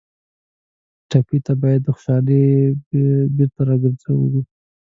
ټپي ته باید خوشالي بېرته راوګرځوو.